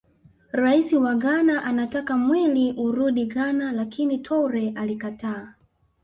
Rais wa Ghana Anataka mwili urudi Ghana lakini Toure alikataa